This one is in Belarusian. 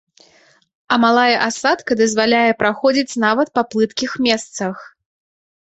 А малая асадка дазваляе праходзіць нават па плыткіх месцах.